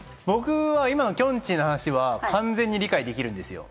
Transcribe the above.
今のきょんちぃの話は完全に理解できるんですよ。